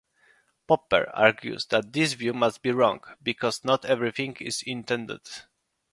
Popper argues that this view must be wrong because not everything is intended.